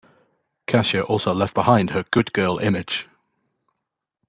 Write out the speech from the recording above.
Kasia also left behind her "good girl" image.